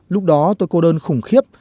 lúc đó tôi cô đơn khủng khiếp